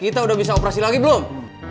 kita udah bisa operasi lagi belum